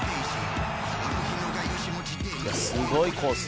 すごいコース。